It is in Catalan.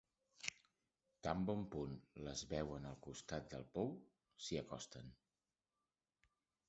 Tan bon punt les veuen al costat del pou s'hi acosten.